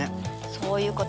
そういうこと。